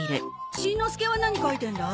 しんのすけは何描いてるんだ？